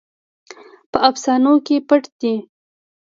په افسانو کې پټ دی.